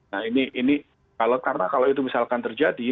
nah ini karena kalau itu misalkan terjadi